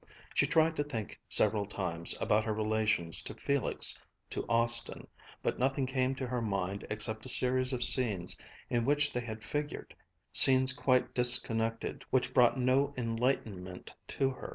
She tried to think several times, about her relations to Felix, to Austin but nothing came to her mind except a series of scenes in which they had figured, scenes quite disconnected, which brought no enlightenment to her.